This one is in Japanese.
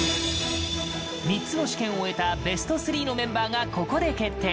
３つの試験を終えたベスト３のメンバーがここで決定。